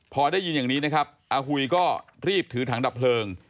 พอได้ยินอย่างนี้นะครับอาหุยก็รีบถือถังดับเพลิง